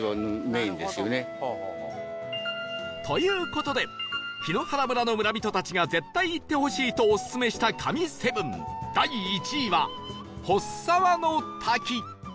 という事で檜原村の村人たちが絶対行ってほしいとオススメした神７第１位は払沢の滝